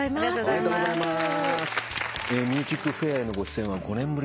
ありがとうございます。